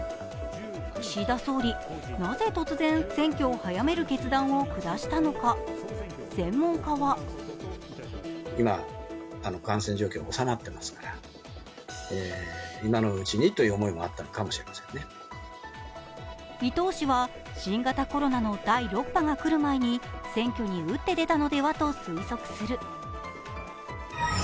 岸田総理、なぜ突然、選挙を早める決断を下したのか、専門家は伊藤氏は、新型コロナの第６波が来る前に選挙に打って出たのではと推測する。